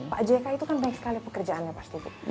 pak jk itu kan baik sekali pekerjaannya pak stutut